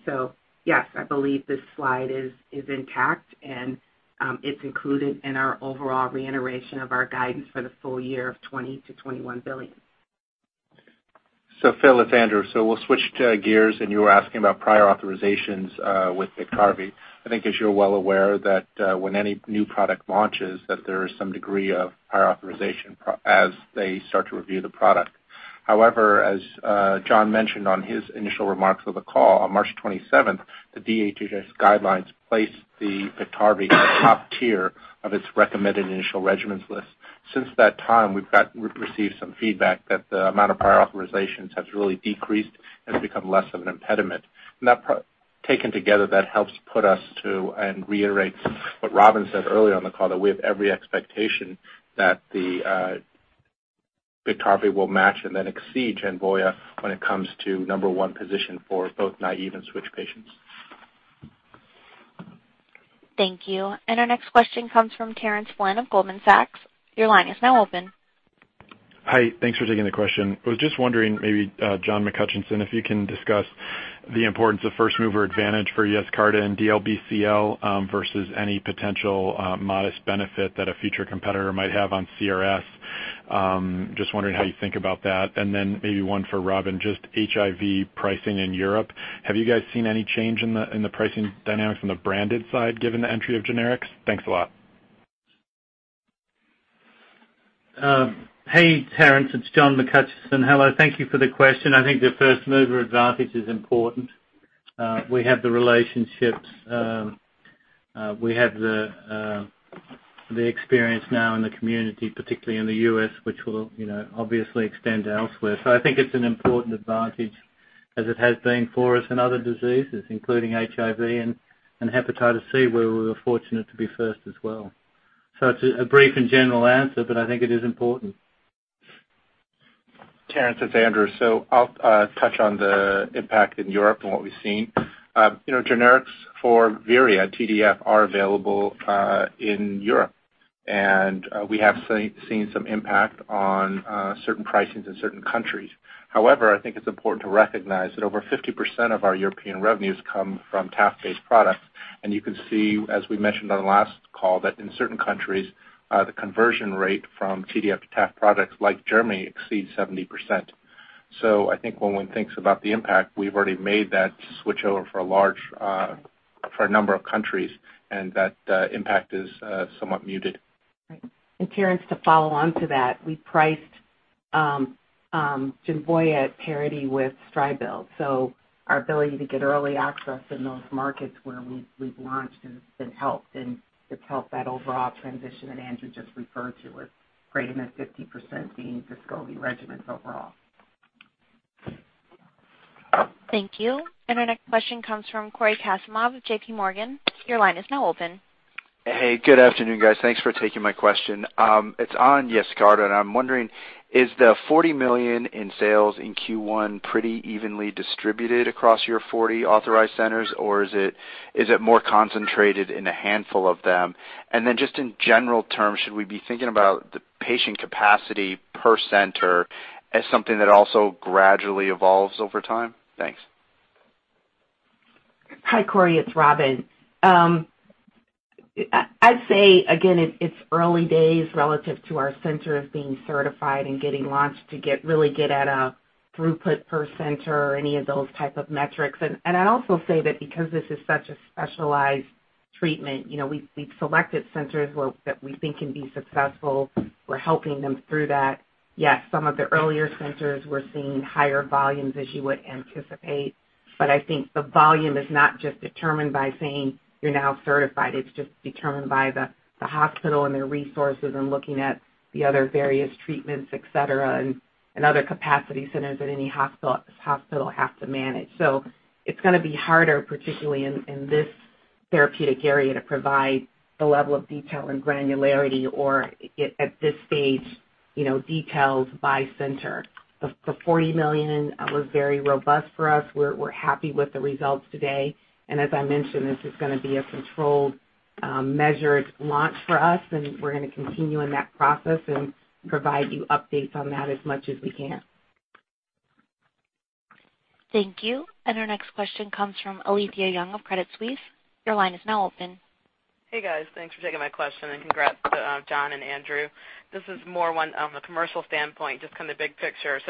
Yes, I believe this slide is intact and it's included in our overall reiteration of our guidance for the full year of $20 billion-$21 billion. Phil, it's Andrew. We'll switch gears, and you were asking about prior authorizations with Biktarvy. I think as you're well aware that when any new product launches, there is some degree of prior authorization as they start to review the product. However, as John mentioned on his initial remarks of the call on March 27th, the DHHS guidelines placed Biktarvy in the top tier of its recommended initial regimens list. Since that time, we've received some feedback that the amount of prior authorizations has really decreased and become less of an impediment. Taken together, that helps put us to and reiterate what Robin said earlier on the call, that we have every expectation that Biktarvy will match and then exceed Genvoya when it comes to number one position for both naive and switch patients. Thank you. Our next question comes from Terence Flynn of Goldman Sachs. Your line is now open. Hi. Thanks for taking the question. I was just wondering, maybe, John McHutchison, if you can discuss the importance of first-mover advantage for Yescarta in DLBCL versus any potential modest benefit that a future competitor might have on CRS. Just wondering how you think about that. Then maybe one for Robin, just HIV pricing in Europe. Have you guys seen any change in the pricing dynamics on the branded side given the entry of generics? Thanks a lot. Hey, Terence, it's John McHutchison. Hello, thank you for the question. I think the first-mover advantage is important. We have the relationships. We have the experience now in the community, particularly in the U.S., which will obviously extend elsewhere. It's an important advantage as it has been for us in other diseases, including HIV and hepatitis C, where we were fortunate to be first as well. It's a brief and general answer, I think it is important. Terence, it's Andrew. I'll touch on the impact in Europe and what we've seen. Generics for Viread TDF are available in Europe, we have seen some impact on certain pricings in certain countries. I think it's important to recognize that over 50% of our European revenues come from TAF-based products, you can see, as we mentioned on the last call, that in certain countries, the conversion rate from TDF to TAF products like Germany exceeds 70%. I think when one thinks about the impact, we've already made that switch over for a number of countries, that impact is somewhat muted. Right. Terence, to follow on to that, we priced Genvoya at parity with Stribild. Our ability to get early access in those markets where we've launched has been helped, it's helped that overall transition that Andrew just referred to with greater than 50% being Descovy regimens overall. Thank you. Our next question comes from Cory Kasimov of J.P. Morgan. Your line is now open. Hey, good afternoon, guys. Thanks for taking my question. It's on Yescarta. I'm wondering, is the $40 million in sales in Q1 pretty evenly distributed across your 40 authorized centers, or is it more concentrated in a handful of them? Just in general terms, should we be thinking about the patient capacity per center as something that also gradually evolves over time? Thanks. Hi, Cory. It's Robin. I'd say again, it's early days relative to our center of being certified and getting launched to get really good at a throughput per center or any of those type of metrics. I also say that because this is such a specialized treatment, we've selected centers that we think can be successful. We're helping them through that. Yes, some of the earlier centers we're seeing higher volumes as you would anticipate. I think the volume is not just determined by saying you're now certified. It's just determined by the hospital and their resources and looking at the other various treatments, et cetera, and other capacity centers that any hospital have to manage. It's going to be harder, particularly in this therapeutic area, to provide the level of detail and granularity or at this stage, details by center. The $40 million was very robust for us. We're happy with the results today. As I mentioned, this is going to be a controlled, measured launch for us, and we're going to continue in that process and provide you updates on that as much as we can. Thank you. Our next question comes from Alethia Young of Credit Suisse. Your line is now open. Hey, guys. Thanks for taking my question and congrats to John and Andrew. This is more one on the commercial standpoint, just kind of big picture.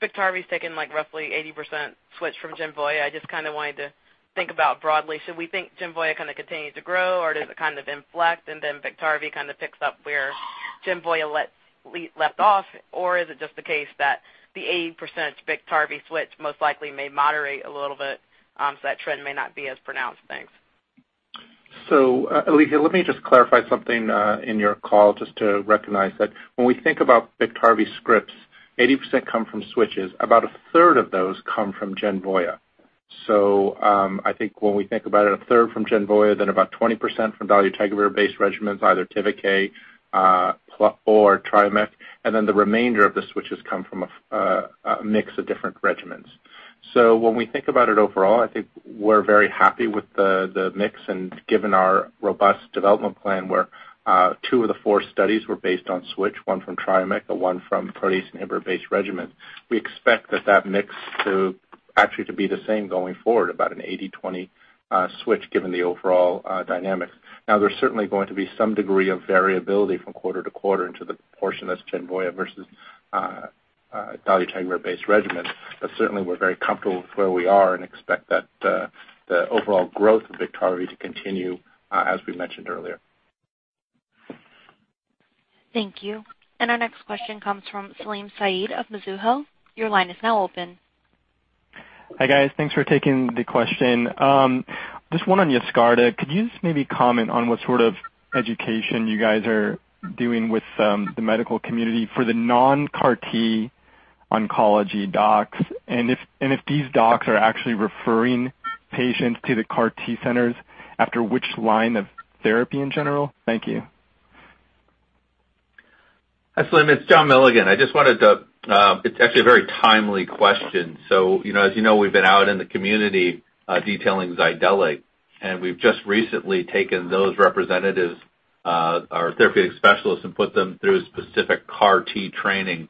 Biktarvy's taken roughly 80% switch from Genvoya. I just kind of wanted to think about broadly, should we think Genvoya kind of continues to grow, or does it kind of inflect and then Biktarvy kind of picks up where Genvoya left off? Is it just the case that the 80% Biktarvy switch most likely may moderate a little bit, so that trend may not be as pronounced? Thanks. Alethia, let me just clarify something in your call just to recognize that when we think about Biktarvy scripts, 80% come from switches. About a third of those come from Genvoya. I think when we think about it, a third from Genvoya, then about 20% from dolutegravir-based regimens, either Tivicay or Triumeq, and then the remainder of the switches come from a mix of different regimens. When we think about it overall, I think we're very happy with the mix and given our robust development plan where two of the four studies were based on switch, one from Triumeq and one from protease and integrase-based regimen. We expect that mix to actually be the same going forward, about an 80/20 switch given the overall dynamics. There's certainly going to be some degree of variability from quarter to quarter into the portion that's Genvoya versus dolutegravir-based regimens. Certainly, we're very comfortable with where we are and expect that the overall growth of Biktarvy to continue as we mentioned earlier. Thank you. Our next question comes from Salim Syed of Mizuho. Your line is now open. Hi, guys. Thanks for taking the question. Just one on Yescarta. Could you just maybe comment on what sort of education you guys are doing with the medical community for the non-CAR T oncology docs, and if these docs are actually referring patients to the CAR T centers after which line of therapy in general? Thank you. Hi, Salim. It's John Milligan. It's actually a very timely question. As you know, we've been out in the community detailing Zydelig, and we've just recently taken those representatives, our therapeutic specialists, and put them through specific CAR T training,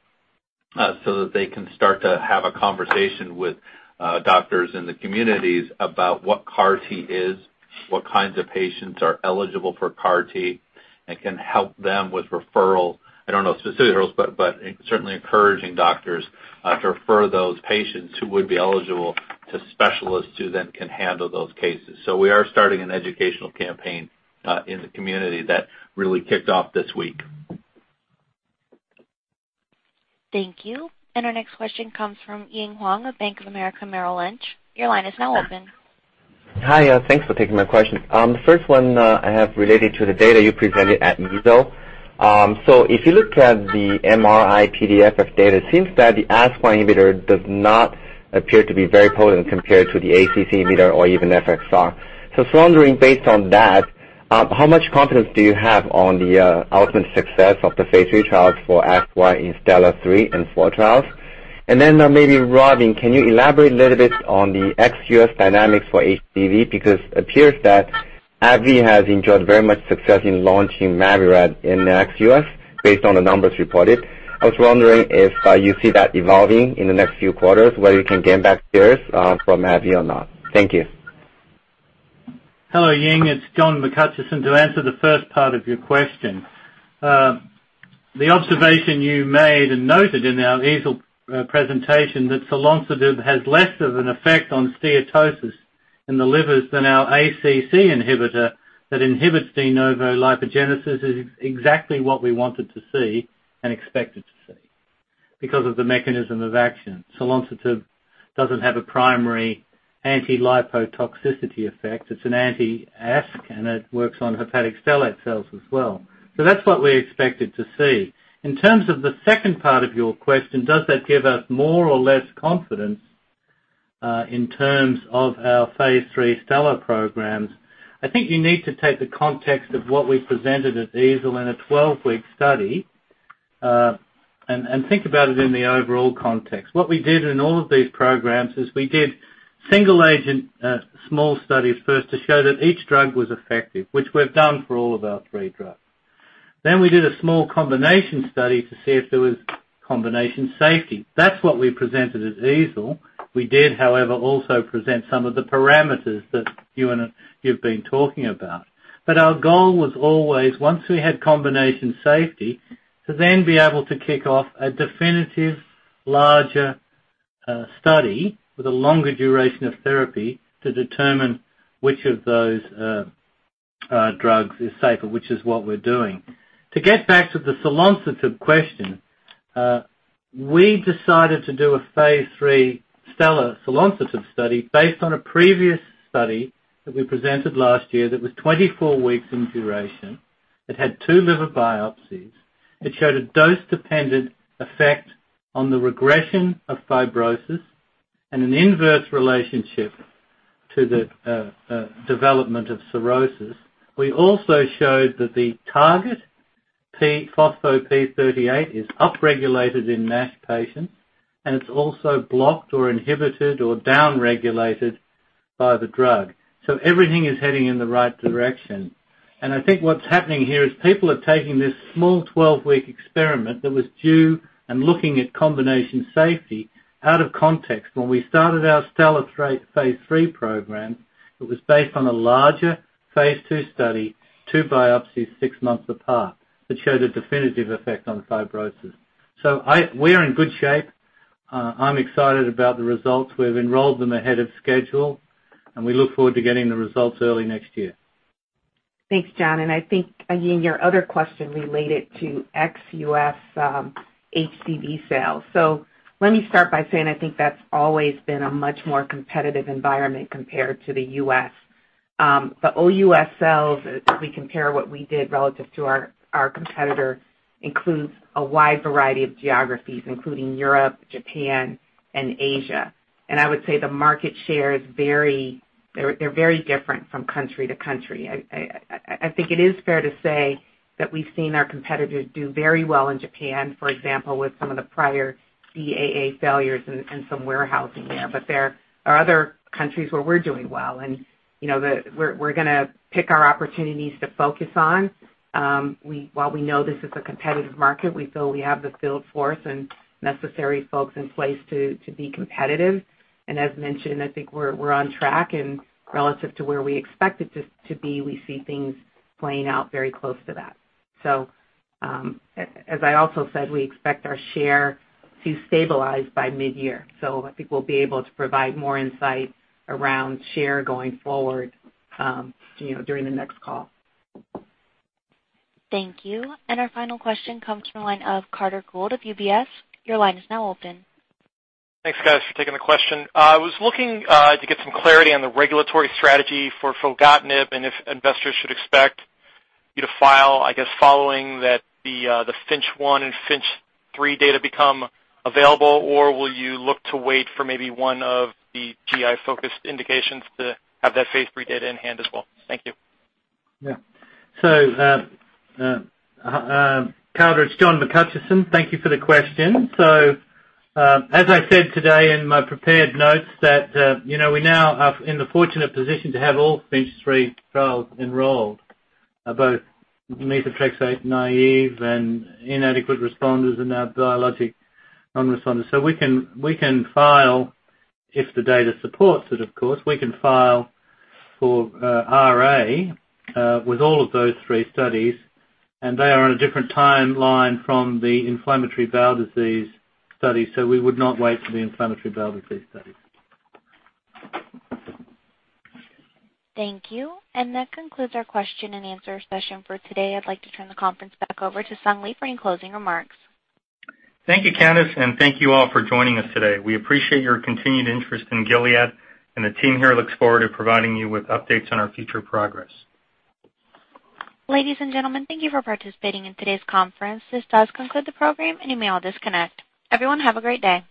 so that they can start to have a conversation with doctors in the communities about what CAR T is, what kinds of patients are eligible for CAR T, and can help them with referrals. I don't know specifics, but certainly encouraging doctors to refer those patients who would be eligible to specialists who then can handle those cases. We are starting an educational campaign in the community that really kicked off this week. Thank you. Our next question comes from Ying Huang of Bank of America Merrill Lynch. Your line is now open. Hi, thanks for taking my question. The first one I have related to the data you presented at EASL. If you look at the MRI-PDFF data, it seems that the ASK1 inhibitor does not appear to be very potent compared to the ACC inhibitor or even FXR. I was wondering, based on that, how much confidence do you have on the ultimate success of the phase III trials for FY in STELLAR-3 and 4 trials? Maybe Robin, can you elaborate a little bit on the ex-U.S. dynamics for HCV, because it appears that AbbVie has enjoyed very much success in launching MAVYRET in ex-U.S. based on the numbers reported. I was wondering if you see that evolving in the next few quarters, whether you can gain back shares from AbbVie or not. Thank you. Hello Ying, it's John McHutchison. To answer the first part of your question, the observation you made and noted in our EASL presentation that selonsertib has less of an effect on steatosis in the livers than our ACC inhibitor that inhibits de novo lipogenesis is exactly what we wanted to see and expected to see because of the mechanism of action. Selonsertib doesn't have a primary anti-lipotoxicity effect. It's an anti-ASK1 and it works on hepatic stellate cells as well. That's what we expected to see. In terms of the second part of your question, does that give us more or less confidence in terms of our phase III STELLAR programs? I think you need to take the context of what we presented at EASL in a 12-week study and think about it in the overall context. What we did in all of these programs is we did single agent small studies first to show that each drug was effective, which we've done for all of our 3 drugs. We did a small combination study to see if there was combination safety. That's what we presented at EASL. We did, however, also present some of the parameters that you've been talking about. Our goal was always once we had combination safety, to then be able to kick off a definitive larger study with a longer duration of therapy to determine which of those drugs is safer, which is what we're doing. To get back to the selonsertib question, we decided to do a phase III STELLAR selonsertib study based on a previous study that we presented last year that was 24 weeks in duration. It had 2 liver biopsies. It showed a dose-dependent effect on the regression of fibrosis and an inverse relationship to the development of cirrhosis. We also showed that the target phospho-p38 is upregulated in NASH patients and it's also blocked or inhibited or downregulated by the drug. Everything is heading in the right direction. I think what's happening here is people are taking this small 12-week experiment that was due and looking at combination safety out of context. When we started our STELLAR phase III program, it was based on a larger phase II study, 2 biopsies 6 months apart, that showed a definitive effect on fibrosis. We're in good shape. I'm excited about the results. We've enrolled them ahead of schedule and we look forward to getting the results early next year. Thanks, John. I think, Ying, your other question related to ex-U.S. HCV sales. Let me start by saying I think that's always been a much more competitive environment compared to the U.S. The OUS sales, if we compare what we did relative to our competitor, includes a wide variety of geographies, including Europe, Japan and Asia. I would say the market share is very different from country to country. I think it is fair to say that we've seen our competitors do very well in Japan, for example, with some of the prior DAA failures and some warehousing there. There are other countries where we're doing well and we're going to pick our opportunities to focus on. While we know this is a competitive market, we feel we have the field force and necessary folks in place to be competitive. As mentioned, I think we're on track and relative to where we expect it to be, we see things playing out very close to that. As I also said, we expect our share to stabilize by mid-year, so I think we'll be able to provide more insight around share going forward during the next call. Thank you. Our final question comes from the line of Carter Gould of UBS. Your line is now open. Thanks, guys, for taking the question. I was looking to get some clarity on the regulatory strategy for filgotinib and if investors should expect you to file, I guess following that the FINCH 1 and FINCH 3 data become available or will you look to wait for maybe one of the GI focused indications to have that phase III data in hand as well? Thank you. Yeah. Carter, it's John McHutchison. Thank you for the question. As I said today in my prepared notes that we now are in the fortunate position to have all FINCH 3 trials enrolled, both methotrexate-naive and inadequate responders and our biologic non-responders. We can file if the data supports it, of course, we can file for RA with all of those three studies and they are on a different timeline from the inflammatory bowel disease study. We would not wait for the inflammatory bowel disease study. Thank you. That concludes our question and answer session for today. I'd like to turn the conference back over to Sung Lee for any closing remarks. Thank you, Candace, thank you all for joining us today. We appreciate your continued interest in Gilead and the team here looks forward to providing you with updates on our future progress. Ladies and gentlemen, thank you for participating in today's conference. This does conclude the program and you may all disconnect. Everyone have a great day.